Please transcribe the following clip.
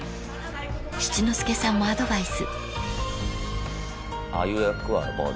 ［七之助さんもアドバイス］